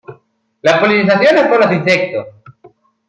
La polinización es por los insectos.